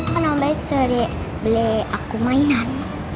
kan om baik sudah beli aku mainan